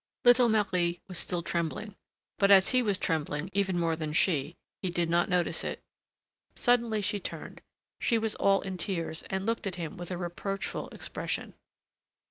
Little Marie was still trembling; but as he was trembling even more than she, he did not notice it. Suddenly she turned; she was all in tears, and looked at him with a reproachful expression.